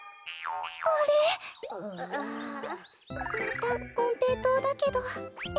またこんぺいとうだけどエヘ。